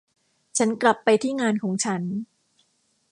ฉันกลับไปที่งานของฉัน